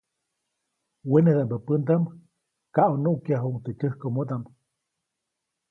Wenedaʼmbä pändaʼm kaʼunuʼkyajuʼuŋ teʼ tyäjkomodaʼm.